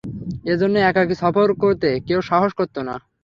এ জন্য একাকী সফর করতে কেউ সাহস করত না।